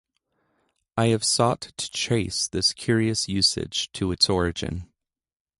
I have sought to trace this curious usage to its origin.